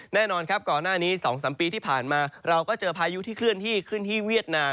แน่นอนครับก่อนหน้านี้๒๓ปีที่ผ่านมาเราก็เจอภายุที่เคลื่อนที่